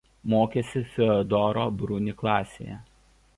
Mokėsi Fiodoro Bruni klasėje.